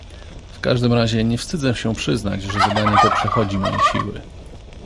"W każdym razie nie wstydzę się przyznać, że zadanie to przechodzi moje siły."